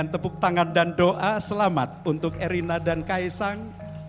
tepuk tangan dan doa selamat untuk erina dan kaisang